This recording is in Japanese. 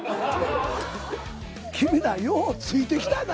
君らようついてきたな。